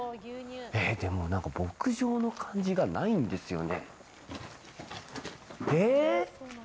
でも、牧場の感じがないんですよね。